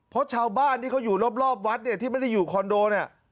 เพราะชาวบ้านที่เขาอยู่รอบวัดเนี่ยที่ไม่ได้อยู่คอนโดเนี่ย